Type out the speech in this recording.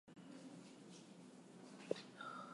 Their music combines Roma, Klezmer, Ska, Rock and Jazz.